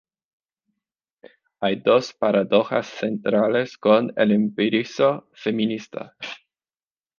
Hay dos paradojas centrales con el empirismo feminista.